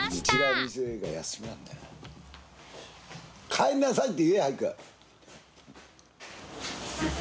帰りなさいって言え早く。